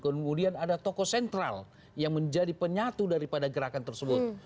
kemudian ada tokoh sentral yang menjadi penyatu daripada gerakan tersebut